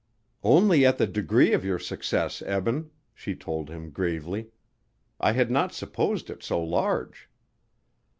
"Only at the degree of your success, Eben," she told him gravely; "I had not supposed it so large."